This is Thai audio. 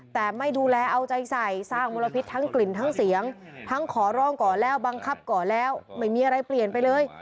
แต่ไม่ดูแลเอาใจใส่สร้างมลพิษทั้งกลิ่นทั้งเสียงทั้งขอร้องก่อนแล้วบังคับก่อแล้วไม่มีอะไรเปลี่ยนไปเลย